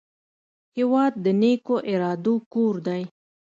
هېواد د نیکو ارادو کور دی.